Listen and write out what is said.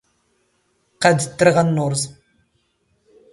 ⵇⵇⴰⴷ ⵜⵜⵔⵖ ⴰⵏⵏⵓⵕⵥⵎ.